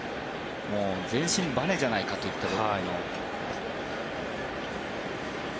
全身ばねじゃないかというぐらいの。